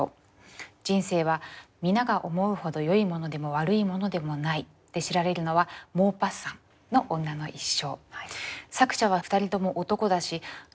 “人生は皆が思うほど良いものでも悪いものでもない”で知られるのはモーパッサンの『女の一生』」。